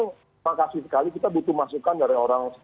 terima kasih sekali kita butuh masukan dari orang